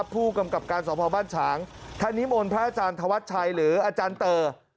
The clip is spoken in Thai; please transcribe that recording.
ผู้กำกับการสมภาพบ้านฉางท่านนิมนต์พระอาจารย์ธวัชชัยหรืออาจารย์เตอร์